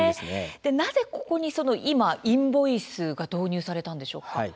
なぜここに今インボイスが導入されたんでしょうか。